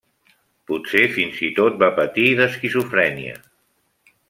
Potser fins i tot va patir d'esquizofrènia.